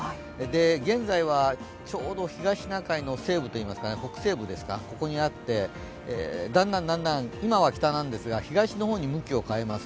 現在はちょうど東シナ海の北西部にあって、だんだん、今は北なんですが、東の方に向きを変えます。